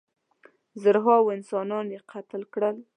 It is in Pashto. زرهاوو انسانان یې قتل کړل.